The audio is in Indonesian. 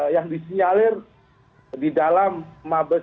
yang disinyalir di dalam mabes